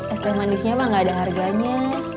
es teh manisnya mah gak ada harganya